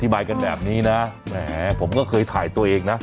อธิบายกันแบบนี้ผมก็เคยถ่ายตัวเองนะ